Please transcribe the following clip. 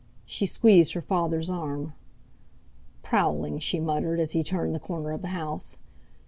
She squeezed her father's arm. "Prowling!" she muttered, as he turned the corner of the house.